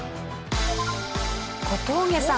小峠さん